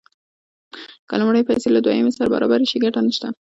که لومړنۍ پیسې له دویمې سره برابرې شي ګټه نشته